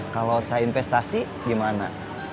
kalau usaha investasi gimana